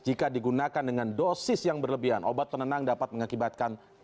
jika digunakan dengan dosis yang berlebihan obat penenang dapat mengakibatkan